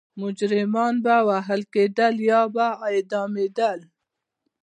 مجرمان به وهل کېدل یا به اعدامېدل.